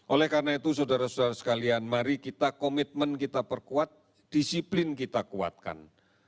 oleh karena itu saudara saudara sekalian mari kita komitmen kita perkuat disiplin kita kuatkan